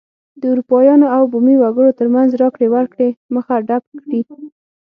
د اروپایانو او بومي وګړو ترمنځ راکړې ورکړې مخه ډپ کړي.